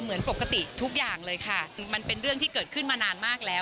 เหมือนปกติทุกอย่างเลยค่ะมันเป็นเรื่องที่เกิดขึ้นมานานมากแล้ว